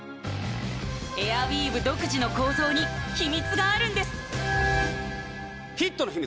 エアウィーヴ独自の構造に秘密があるんですヒットの秘密